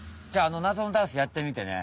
あのなぞのダンスやってみてね